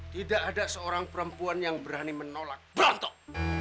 tidak ada seorang perempuan yang berani menolak berantok